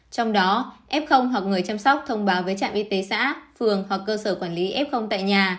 trong đó f hoặc người chăm sóc thông báo với trạm y tế xã phường hoặc cơ sở quản lý f tại nhà